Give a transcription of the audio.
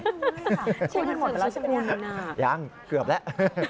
คุณหมดไปแล้วใช่ไหมยังเกือบแล้ว